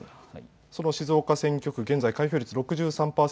その静岡選挙区、現在、開票率６３％。